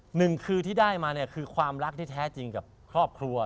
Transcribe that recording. หนึ่งคือที่ได้มาเนี่ยคือความรักที่แท้จริงกับครอบครัว